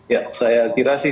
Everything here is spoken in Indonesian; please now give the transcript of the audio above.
ya saya kira sih